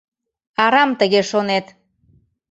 Арам тыге шонет.